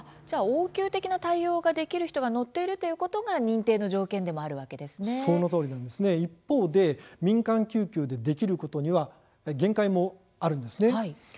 じゃあ応急的な対応ができる人が乗っているということが認定の条件でも一方で民間救急でできることには限界もあるんですね。